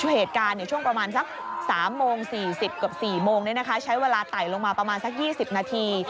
เหตุการณ์ช่วงประมาณสัก๓โมง๔๐กับ๔โมงใช้เวลาไต่ลงมาประมาณสัก๒๐นาที